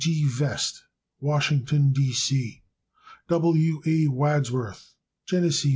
G. G. Vest, Washington, D. C. W. A. Wadsworth, Geneseo, N.